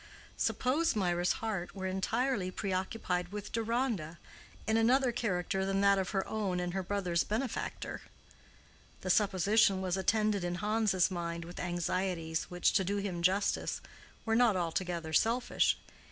Suppose Mirah's heart were entirely preoccupied with Deronda in another character than that of her own and her brother's benefactor; the supposition was attended in Hans's mind with anxieties which, to do him justice, were not altogether selfish.